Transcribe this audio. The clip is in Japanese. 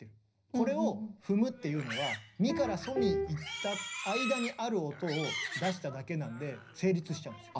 これを踏むっていうのはミからソにいった間にある音を出しただけなんで成立しちゃうんですよ。